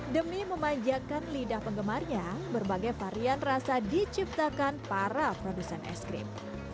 demi memanjakan lidah penggemarnya berbagai varian rasa diciptakan para produsen es krim